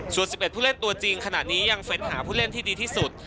ส่วน๑๑ผู้เล่นตัวจริงขณะนี้ยังเฟ้นหาผู้เล่นที่ดีที่สุด